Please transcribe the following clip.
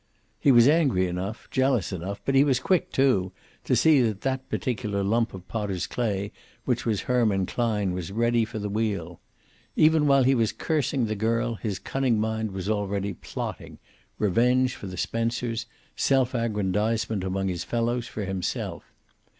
He was angry enough, jealous enough. But he was quick, too, to see that that particular lump of potters' clay which was Herman Klein was ready for the wheel. Even while he was cursing the girl his cunning mind was already plotting, revenge for the Spencers, self aggrandizement among his fellows for himself.